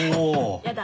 やだ